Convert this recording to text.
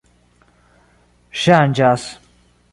ŝanĝas